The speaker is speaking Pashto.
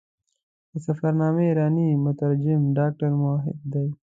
د سفرنامې ایرانی مترجم ډاکټر موحد دی.